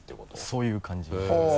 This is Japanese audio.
そういう感じになります。